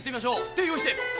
手用意して！